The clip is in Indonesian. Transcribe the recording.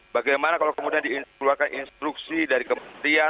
bagaimana kalau kemudian dikeluarkan instruksi dari kementerian